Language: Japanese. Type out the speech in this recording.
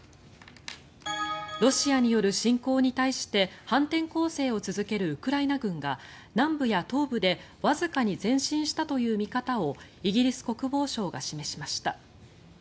ロシアによる侵攻に対して反転攻勢を続けるウクライナ軍が南部や東部でわずかに前進したという見方をイギリス国防省が示しました。